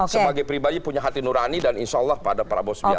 sebagai pribadi punya hati nurani dan insya allah pada prabowo subianto